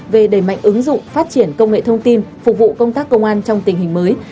về đẩy mạnh ứng dụng phát triển công nghệ thông tin phục vụ công tác công an trong tình hình mới